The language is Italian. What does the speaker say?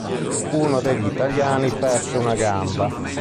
Uno degli italiani perse una gamba.